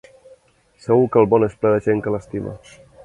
Segur que el món és ple de gent que l'estima.